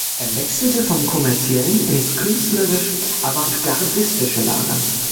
Er wechselte vom kommerziellen ins künstlerisch avantgardistische Lager.